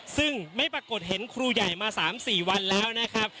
ซึ่งไม่ปรากฏเห็นครูใหญ่มา๓๔วันแล้วนะครับ